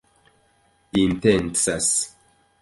intencas